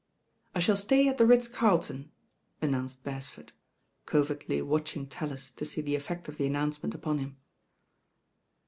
I shaU stay at the Ritz Carlton," announced Bercsford, covertly watching TaUis to see the e£Fect ot the announcement upon him.